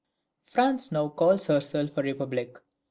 France now calls herself a republic.